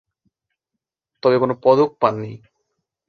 তবে কোন পদক পাননি।